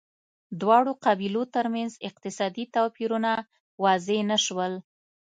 دواړو قبیلو ترمنځ اقتصادي توپیرونه واضح نه شول